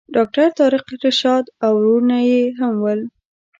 ډاکټر طارق رشاد او وروڼه یې هم ول.